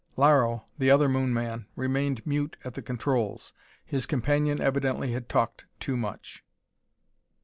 Laro, the other Moon man, remained mute at the controls. His companion evidently had talked too much.